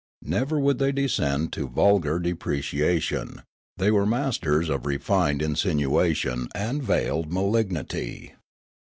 Never would they descend to vulgar depreciation ; they were masters of refined insinuation and veiled malignity.